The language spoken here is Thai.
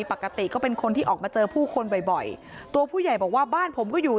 ปกติก็เป็นคนที่ออกมาเจอผู้คนบ่อยบ่อยตัวผู้ใหญ่บอกว่าบ้านผมก็อยู่